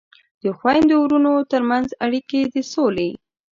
د خویندو ورونو ترمنځ اړیکې د سولې